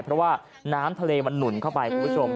เพราะว่าน้ำทะเลมันหนุนเข้าไปคุณผู้ชม